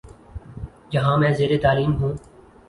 جہاں میں زیرتعلیم ہوں